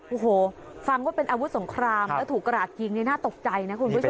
โอ้โหฟังว่าเป็นอาวุธสงครามแล้วถูกกระดาษยิงนี่น่าตกใจนะคุณผู้ชม